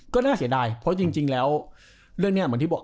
ก็น่าเสียดายเพราะจริงแล้วเรื่องนี้เหมือนที่บอก